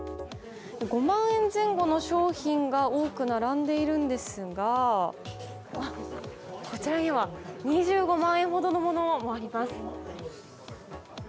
５万円前後の商品が多く並んでいるんですがこちらには２５万円ほどのものもあります。